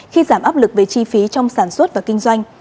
khi giảm áp lực về chi phí trong sản xuất và kinh doanh